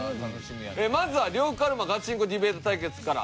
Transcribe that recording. まずは「呂布カルマガチンコディベート対決！」から。